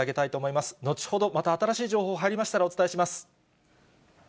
また新しい情報入りましたらお伝えします。